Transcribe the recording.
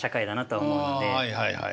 はいはいはい。